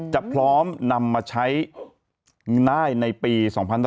จะพร้อมนำมาใช้ได้ในปี๒๑๕๐